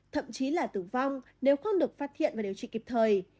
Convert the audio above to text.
thậm chí là tử vong nếu không được phát hiện và điều trị kịp thời